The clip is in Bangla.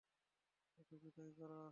ওকে বিদায় করো।